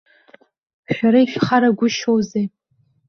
Шәара ишәхарагәышьоузеи.